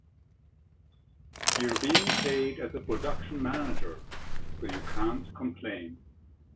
You're being paid as a production manager, so you can't complain.